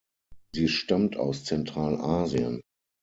Sie stammt aus Zentralasien.